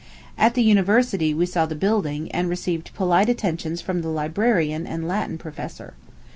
At the university we saw the building, and received polite attentions from the librarian and Latin professor.